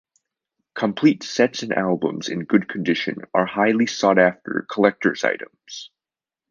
Complete sets and albums in good condition are highly sought-after collectors' items.